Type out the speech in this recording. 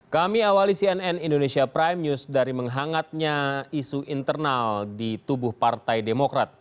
kami awali cnn indonesia prime news dari menghangatnya isu internal di tubuh partai demokrat